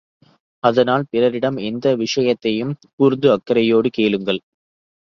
அதனால் பிறரிடம் எந்த விஷயத்தையும் கூர்ந்து, அக்கரையோடு கேளுங்கள்!